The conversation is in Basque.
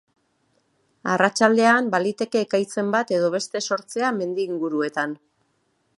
Arratsaldean baliteke ekaitzen bat edo beste sortzea mendi inguruetan.